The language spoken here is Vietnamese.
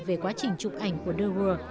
về quá trình chụp ảnh của de waal